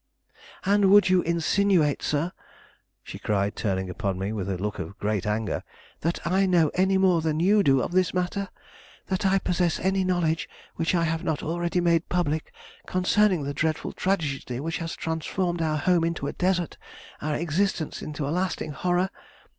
"And would you insinuate, sir," she cried, turning upon me with a look of great anger, "that I know any more than you do of this matter? that I possess any knowledge which I have not already made public concerning the dreadful tragedy which has transformed our home into a desert, our existence into a lasting horror?